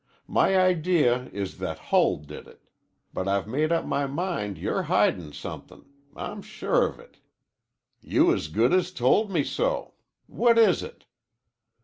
My idea is that Hull did it. But I've made up my mind you're hidin' somethin'. I'm sure of it. You as good as told me so. What is it?"